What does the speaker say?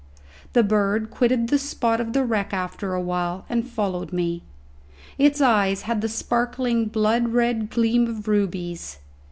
The bird quitted the spot of the wreck after a while and followed me. Its eyes had the sparkling blood red gleam of rubies.